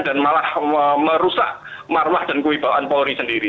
dan malah merusak marwah dan kewibawaan polri sendiri